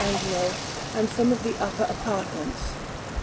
Angelo, and some of the upper apartments.